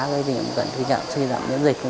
gây điểm gần khi khi nhận suy giảm nhiễm dịch